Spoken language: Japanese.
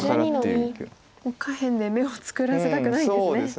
もう上辺で眼を作らせたくないんですね。